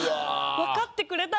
わかってくれた？